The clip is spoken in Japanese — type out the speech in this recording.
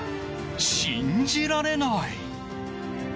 信じられない。